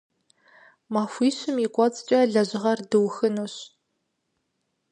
Махуищым и кӏуэцӏкӏэ лэжьыгъэр дыухынущ.